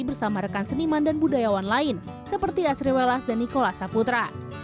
bersama rekan seniman dan budayawan lain seperti asri welas dan nikola saputra